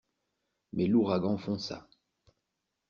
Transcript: Mais l'ouragan fonça.